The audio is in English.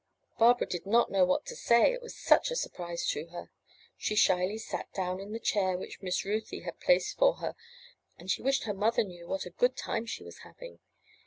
Barbara did not know what to say, it was such a surprise to her. She shyly sat down in the chair which Miss Ruthy had placed for her, and she wished her mother knew what a good time she was having.